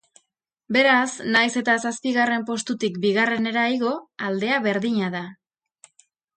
Beraz, nahiz eta zazpigarren postutik bigarrenera igo, aldea berdina da.